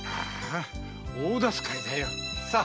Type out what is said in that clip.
ああ大助かりだよ。